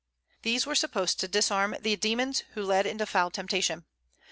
These were supposed to disarm the demons who led into foul temptation.